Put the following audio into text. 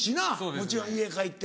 もちろん家帰って。